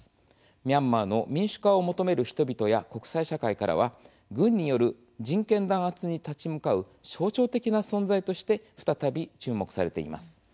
ミャンマーの民主化を求める人々や国際社会からは軍による人権弾圧に立ち向かう象徴的な存在として再び注目されています。